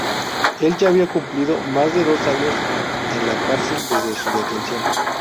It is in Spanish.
Él ya había cumplido más de dos años en la cárcel desde su detención.